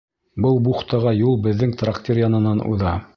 Был бухтаға юл беҙҙең трактир янынан уҙа.